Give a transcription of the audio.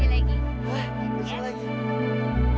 terima kasih juga